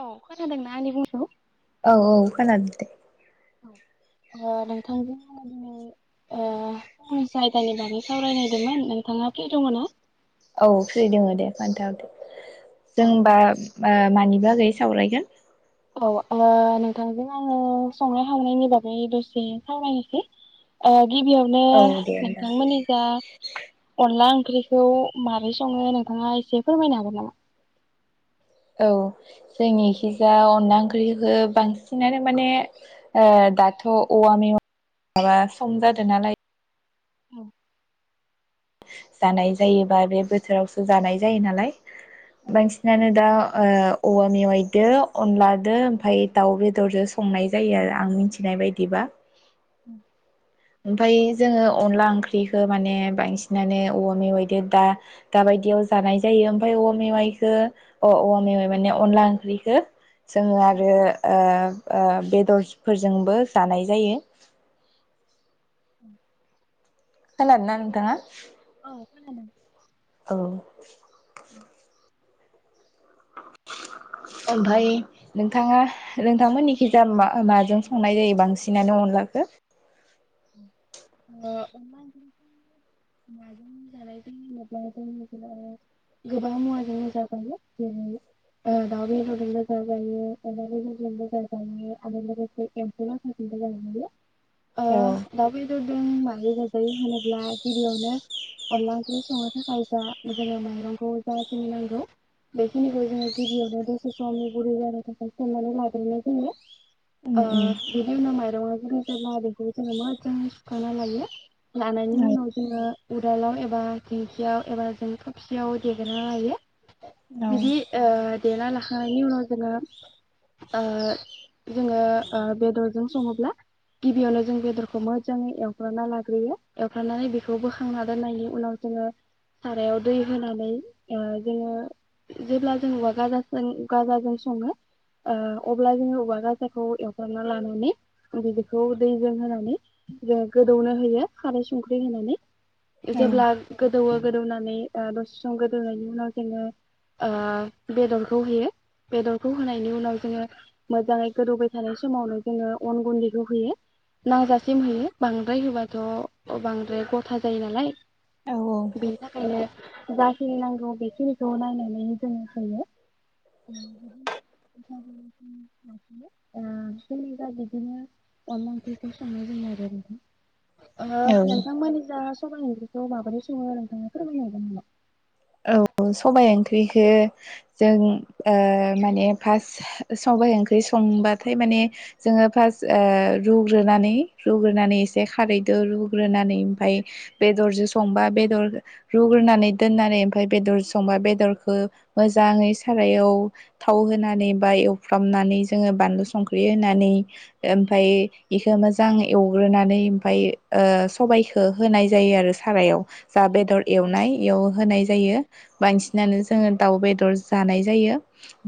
औ खोनादोंना आंनि बुंनायखौ? औ औ खोनादों दे ओ नोंथांजों आङो दिनै ओ आंनि जायगानि बागै सावरायनो नायदोंमोन नोंथाङा फ्रि दङ ना? औ फ्रि दङ दे खोन्थाहरदो औ जों बा ओह मानि बागै सावरायगोन? औ ओ नोंथांजों आङो संनाय खावनायनि बागै दसे खावरायनोसै ओ गिबियावनो औ दे होमबा नोंथांमोननि जा अनला ओंख्रिखौ मारै सङो नोंथाङा एसे फोरमायनो हागोन नामा? औ जोंनिखिजा अनला ओंख्रिखौ बांसिनानो माने ओ दाथ' औवा मे [inaudible] माबा सम जादों नालाय औ जानाय जायोबा बे बोथोरावसो जानाय जायो नालाय औ बांसिनानो दा ओ औवा मेवायदो अनलादो ओमफ्राय दाउ बेदरजों संनाय जायो आरो आं मिथिनाय बायदिबा। उम ओमफाय जोङो अनला ओंख्रिखौ माने बांसिनानो औवा मेवाइजों दा दाबायदियाव जानाय जायो ओमफाय औवा मेवाइखौ अह औवा मेवाइ माने अनला ओंख्रिखो जोङो आरो ओ ओ बेदरफोरजोंबो जानाय जायो। उम खोनादों ना नोंथाङा? औ खोनादों। औ ओमफाय नोंथाङा नोंथांमोननिखिजा माजों संनाय जायो बांसिनानो अनलाखो? ओह अनला ओंख्रिखौ माजों जानायजों होनोब्ला जों मिथिनो हायो गोबां मुवाजोंनो जाजायो जेरै ओ दाउ बेदरजोंनो जाजायो अमा बेदरजोंबो जाजायो आरो लोगोसे एम्फौलाथाफोरजोंबो जाजायो। औ [unintelligible] माजो जाजायो होनोब्ला गिबियावनो अनला ओंख्रि संनो थाखाय जा जोङो माइरंखौ जाखिनि नांगौ बेखिनिखौ जोङो गिबियावनो दसे समनि गुरै जानो थाखाय सोमनानै लाग्रोनाय जायो। उम ओ उम बिनि उनाव माइरङा गुरै जाब्ला बेखौ जोङो मो जाङै सुखांना लायो लानायनि उनाव जोङो उदालाव एबा दिंखियाव एबा जों थबसियाव देग्रोना लायो औ बिदि ओ देना लाखांनायनि उनाव जोङो ओ जोङो ओ बेदरजों सङोब्ला गिबियावनो जों बेदरखौ खौ मोजाङै एवग्रोना लाग्रोयो एवफ्रामनानै बेखौ बोखांना दोननायनि उनाव जोङो सारायाव दै होनानै ओ जोङो जेब्ला जों औवा गाजाजों गाजाजों सङो ओ अब्ला जोङो औवा गाजाखौ एवफ्रामना लानानै बिखौ दैजों होनानै जा गोदौनो होयो खारै संख्रि होनानै औ जेब्ला गो दौवो गोदौनानै ओ दसे सम गोदौनायनि उनाव जोङो ओ बेदरखौ होयो बेदरखौ होनायनि उनाव जोङो मोजाङै गोदौबाय थानाय समावनो जोङो अन गुन्दैखौ होयो नांजासे थ' बांद्राय गथा जायो नालाय औ बेनि थाखायनो जाखिनि नांगौ बेखिनिखौ नायनानै जोङो सङो ओ जोंनि जा बिदिनो अनला ओंख्रिखौ सङो। संनाय जायो आरो बेखौ औ ओ नोंथांमोनि जा सबाइ ओंख्रिखौ माबोरै सङो नोंथाङा फोरमायनो हागोन नामा? औ सबाय ओंख्रिखौ जों माने पास्ट सबाइ ओंख्रि संबाथाय माने जोङो पास्ट रुग्रोनानै रुग्रोनानै एसे खारैदो रुग्रोनानै ओमफाय बेदरजों संबा बेदर रुग्रोनानै दोननानै ओम फाय बेदरजो संबा बेदरखो मोजाङै सारायाव थाव होनानै बा एवफ्रामनानै जोङो बानलु संख्रि होनानै ओमफाय बेखौ मोजां एवग्रोनानै ओमफ्राय ओ सबाइखौ होनाय जायो आरो सारायाव जा बेदर एवनाय एयाव होनाय जायो बांसिनानो जोङो दाउ बेदरजो जानाय जायो।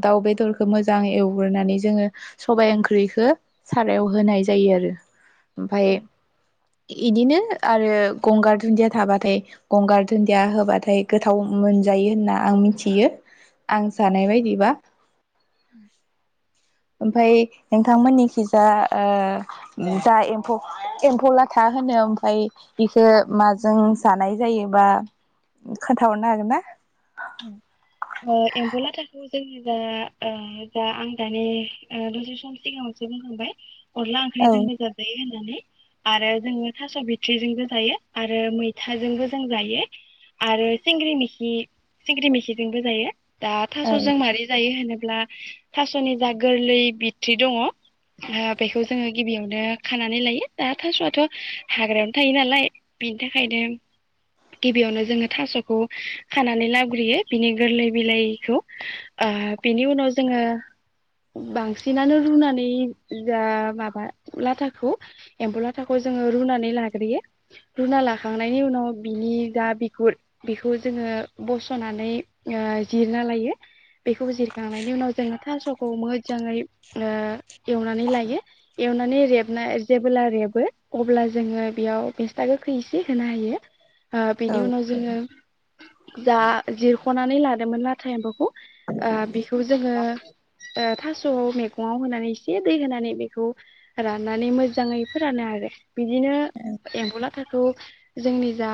दाउ बेदरखौ मोजां एव गोरनानै जोङो सबाय ओंख्रिखो सारायाव होनाय जायो आरो ओमफाय औ इदिनो आरो गंगार दुन्दिया थाबाथाय गंगार दुन्दिया होबाथाय गोथाव मोनजायो होनना आं मिथियो। आं जानाय बायदिबा ओमफाय नोंथांमोननिखिजा ओ जा एमफौ एम्फौ लाथा होनो ओमफाय इखो माजों जानाय जायोबा खोनथाहरनो हागोन ना? ओ एम्बौ लाथाखौ जोङो दा ओ जा आं दानि दसे सम सिगाङावसो बुंखांबाय अनला औ ओंख्रिजोंबो जाजायो होन नानै आरो जोङो थास' बिथ्रिजोंबो जायो आरो मैथाजोंबो जों जायो आरो सिंग्रि मिखि सिंग्रि मेखिजोंबो जायो द औ थास'जों मारै जायो होनो ब्ला थास'नि जा गोरलै बिथ्रि दङ ओ बेखौ जोङो गिबियावनो खानानै लायो दा थास'आथ' हाग्रायावनो थायो नालाय बिनि थाखायनो गिबियावनो जोङो थास'खौ खानानै लाब ग्रोयो बिनि गोरलै बिलाइखौ आ बिनि उनाव जोङो बांसिनानो रुनानै जा माबा लाथाखौ एमफौ लाथाखौ जोङो रुनानै लाग्रोयो रुना लाखांनायनि उनाव बिनि गा बिगुर बस सनानै जिरना लायो। बेखौ जिरखांनायनि उनाव जों थास' खौ मोजाङै एवनानै लायो एवनानै रेबना जेबोला रेबो अब्ला जोङो बेयाव मिस्था गोखै एसे होना हो यो आ औ बिनि उनाव जोङो जा फनानै लादोमोन लाथा एमफौखौ ओ बिखौ जोङो थास'आव मैगङाव होनानै से दै होनानै बेखौ राननानै मोजाङै फोरानो आरो। बिदिनो एमफौ ला थाखौ जोंनि जा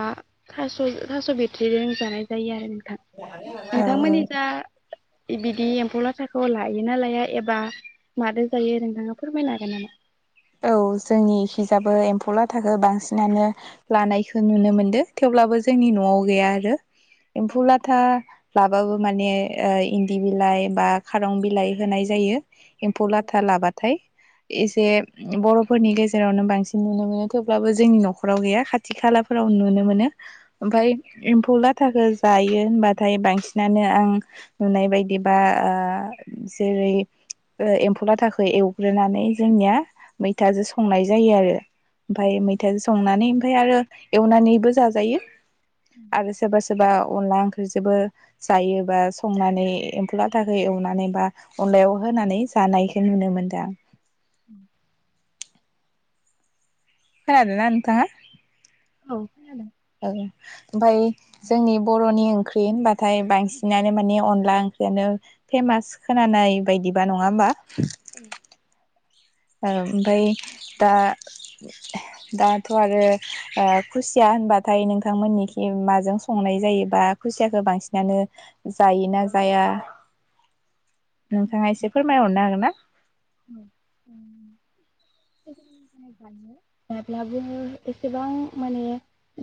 थास' थास' बिथ्रिजों जानाय जायो आरो नों थां औ औ नोंथांमोननि जा बिदि एम्फौ लाथाखौ लायो ना लाया एबा मादो जायो नोंथाङा फोरमायनो हागोन नामा? फौ लाथाखो बांसिनानो लानायखौ नुनो मोनदो थेवब्लाबो जोंनि न'आव गैया आरो। एमफौ लाथा लाबाबो माने इन्दि बिलाइ बा खारं बिलाइ होनाय जायो। एम्फौ लाथा लाबाथाय एसे बर'फोरनि गेजेरावनो बांसिन नुनो मोनो थेवब्लाबो जोंनि न'खराव गैया खाथि खालाफोराव नुनो मोनो। ओमफाय एम्फौ लाथाखो जायो होनबाथाय बांसिनानो आं नुनाय बायदिबा ओ जेरै ओ एम्फौ लाथाखौ एवग्रोनानै जोंनिया मैथाजो संनाय जायो आरो। ओमफाय मैथाजो संनानै ओमफ्राय आरो एवनानैबो जाजायो आरो सोरबा सोरबा अनदला ओं जोबो जायोबा संनानै एम्फौ लाथाखौ एवनानै बा अनलायाव होनानै जानायखो नुनो मोनदां। [inaudible] खोनादों ना नोंथाङा। औ खोनादों। ओं ओमफाय जोंनि बरनि ओंख्रि होनबाथाय बांसिनानो माने अनला ओंख्रियानो फेमास खोनानाय बायदिबा नङा होमबा? औ। ओमफाय दा दाथ आरो ओ खुसिया होनबाथाय नोंथांमोननिखि माजों संनाय जायो बा खुसियाखौ बांसिनानो जायो ना जाया। नोंथाङा एसे फोरमायहरनो हागोन ना। औ उम। जायो जाब्लाबो एसेबां माने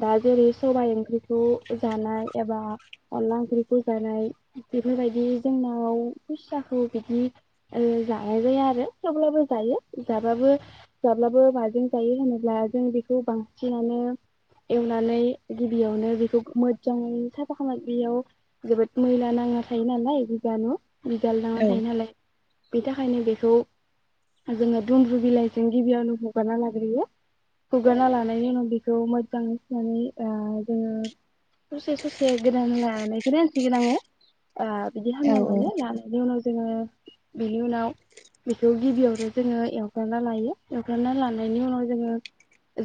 दा जेरै सबाय ओंख्रिखौ जानाय एबा अनला ओंख्रिखौ जानाय बेफोरबायदि जोंनाव खुसियाखौ बिदि ओ जानाय जाया आर रो थवब्लाबो जायो जाबाबो जाब्लाबो माजों जायो होनोब्ला जों बेखौ बांसिनानो एवनानै गिबियावनो बेखौ मोजाङैनो साफा खालाम बेयाव जोबोद मैला नाङा थायो नालाय बिजानु। बिगाल नांना औ थायो नालाय। बि थाखायनो बेखौ। जोङो दुमन्द्रु बिलाइजों गिबियावनो हुगारना लाग्रोयो हुगारना लानायनि उनाव बेखौ मोजाङै सुनानै ओ जोङो ससे ससे गोदानायखौनो होनसिगोन आङो। ओ बिदि औ हांना लायो लानायनि उनाव ज जोङो बेनि उनाव बेखौ गिबियावनो जोङो एवफ्रामना लायो एवफ्रामना लानायनि उनाव जोङो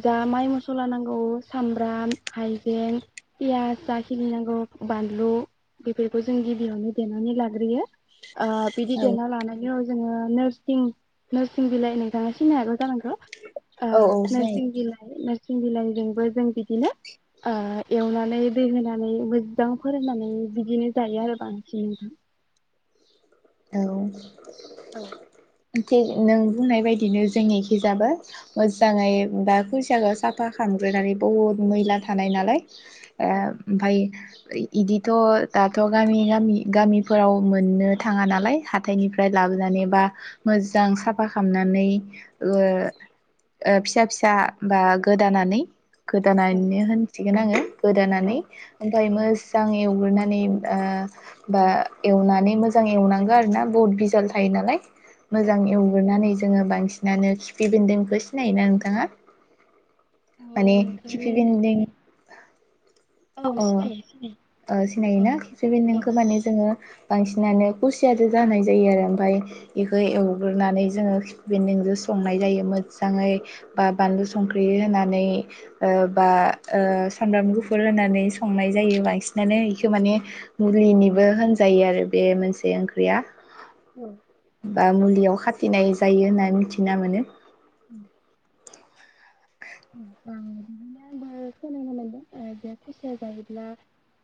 जा माइ मसला नांगौ सामब्राम हाइजें पियास जा खिनि नांगौ बानलु बेफोरखौ जों गिबियावनो देनानै लाग्रोयो। ओ बिदि औ देना लानायनि अ जोङो नोर सिं नोरसिं बिलाइ नोंथाङा सिना हागौ जानांगौ ओ औ औ सिनायो नोरसिं बिलाइ नोर सिं बिलाइजोंबो जों बिदिनो ओ एवनानै दै होनानै मोजां फोरोंनानै बिदिनो जायो आरो बांसिन नोंथां। औ। औ एखे नों बुंनाय बायदिनो जोंनिखि जायबो। मोजाङै औ बा खुस साखौ साफा खालामग्रोनानै बहुद मैला थानाय नालाय। ओ ओमफाय। इ इदिथ दाथ गामि गामि गामिफोराव मोननो थाङा नालाय हाथायनिफ्राय लाबोनानै बा मोजां साफा खालामनानै ओ ओ फिसा फिसा बा गोदानानै गोदानानैनो होनसिगोन आङो औ गोदानानै ओमफाय मोस जां एवग्रोनानै ओ बा एवनानै मोज मोजां एवनांगौ आरोना बहुत बिजानु थायो नालाय। औ मोजां एवग्रोनानै जोङो बांसिन। नानो खिफि बेन्दों बेखौ सिनायोना नोंथाङा? माने औ खिफि नोंथांनि बेन्दों। औ अ सिनायो सिनायो ओ सिनायोना औ खिफि औ बेन्दोंखौ माने जोङो बांसिनानो खुसिजों जानाय जायो आरो ओमफ्राय बेखौ एवग्रोनानै जोङो खिफि बेन्दोंजों संनाय जायो मोजाङै बा बानलु संख्रि होनानै ओ बा ओ सामब्राम गुफुर होनानै माने संनाय जायो बांसिनानो इखौ माने मुलिनिबो होनजायो आरो बे मोनसे ओंख्रैया। औ औ बा मुलियाव खाथ थिनाय जायो होननानै मिथिना मोनो। उम ओम बा बिदिनो आंबो खोनानो मोनदों ओ बे खुसिया जायोब्ला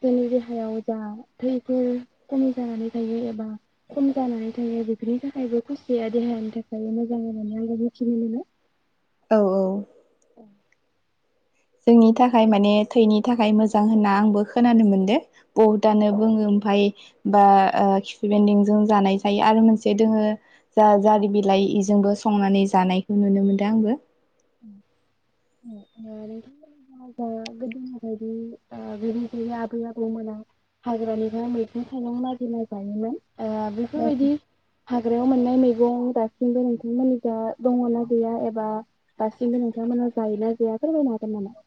जोंनि देहायाव जा थैफोर खमि जानानै थायो एबा खम जानानै थायो बेफोरनि थाखायबो खुसिया देहानि थाखाय मोजां होननानै आंबो मिथिनो मोनो। औ औ औ जोंनि थाखाय माने थैनि थाखाय मोजां होनना आंबो खोनानो मोनदों। बुहुदआनो बुङो ओमफाय बा ओ खिफि बेन्दोंजों जानाय जायो आरो मोनसे दोङो जा जारि बिलाइ इजोंबो संनानै जानायखौ नुनो मोनो। दा आंबो ओ नोंथांमोननि दिनावबो गोदोनि बायदि [unintelligible] आबै आबौमोना हाग्रानिफ्राय मैगं थाइगं नागिरना जायोमोन। ओ बेफोरबायदि हाग्रायाव मोननाय मैगं दासिमबो नोंथांमोननि जा दङना गैया एबा दासिमबो नोंथांमोना जायोना जाया फोरमायनो हागोन नामा?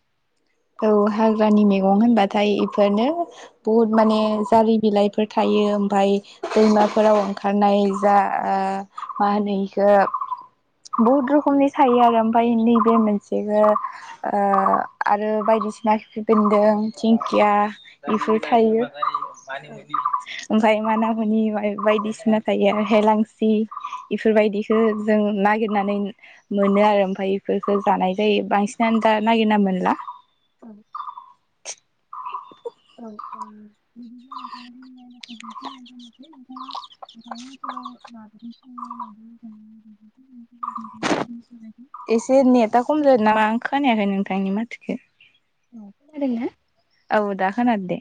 औ हाग्रानि मैगं होनबाथाय इफोरनो बहुत माने औ जारि बिलाइफोर थायो ओमफाय दैमाफोराव ओंखारनाय जा ओ मा होनो इखौ बुहुद रखमनि थायो आरो ओमफाय नैबे मोनसेखौ ओ आरो बायदिसिना खिफि बेन्दों दिंखिया बेफोर थायो। माने औ बिदिन्थि ओमफाय माना मुनि बाय- बायदिसिना थायो आरो हेलांसि औ ओ इफोरबायदिखो जों नागिरनानै मोनो आरो ओमफाय बेफोरफोरखौ जानाय जायो बांसिनानो दा नागिरना मोनला। औ [inaudible] औ बा [unintelligible] एसे नेटा खम जादों नामा? खोनायाखै नोंथांनि माथोखो अ खोनादोंना? औ दा खोनादो दे।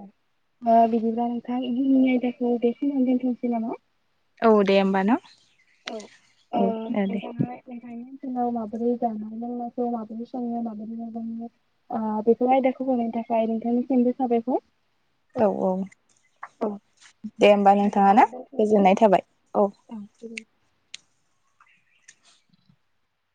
ओ बिदिब्ला नोंथां जोंनि आयदाखौ बेखिनियावनो दोनथनोसै नामा? औ दे होमबा न। औ औ ओ दे। नाव माबोरै जानाय लोंनायखौ माबोरै सङो माबोरै माबो ओ बेफोर आयदाखौ बुंनो थाखाय नोंथांनिसिमबो साबायखर। औ औ औ दे होमबा नोंथाङा ना बिदिब्ला दोनथ'नोसै। गोजोननाय थाबाय औ।